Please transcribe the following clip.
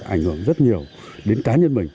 ảnh hưởng rất nhiều đến cá nhân mình